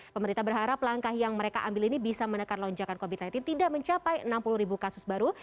pemerintah berharap langkah yang mereka ambil ini bisa menekan lonjakan covid sembilan belas tidak mencapai enam puluh ribu kasus baru